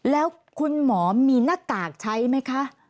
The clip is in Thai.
แล้วคุณหมอมีหน้ากากใช้ไหมคะ